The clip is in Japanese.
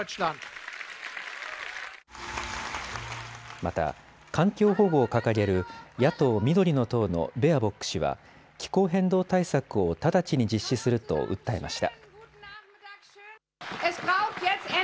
また、環境保護を掲げる野党緑の党のベアボック氏は気候変動対策を直ちに実施すると訴えました。